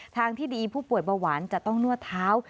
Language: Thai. ทางที่ดีผู้ป่วยเบาหวานจะต้องนวดเท้า